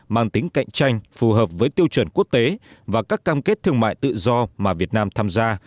mang tính cạnh tranh phù hợp với tiêu chuẩn quốc tế và các cam kết thương mại tự do mà việt nam tham gia